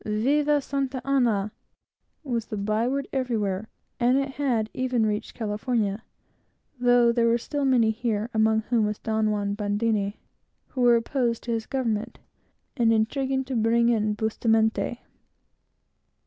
"Viva Santa Ana!" was the by word everywhere, and it had even reached California, though there were still many here, among whom was Don Juan Bandini, who were opposed to his government, and intriguing to bring in Bustamente.